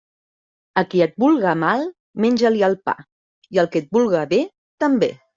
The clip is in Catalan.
A qui et vulga mal, menja-li el pa, i al que et vulga bé, també.